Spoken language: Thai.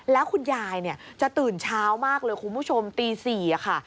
แล้วคุณยายจะตื่นเช้ามากเลยคุณผู้ชมตี๔ค่ะ